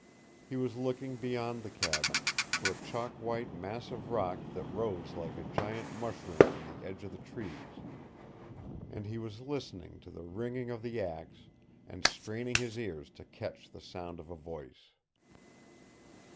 He was looking beyond the cabin, to a chalk white mass of rock that rose like a giant mushroom in the edge of the trees and he was listening to the ringing of the axe, and straining his ears to catch the sound of a voice.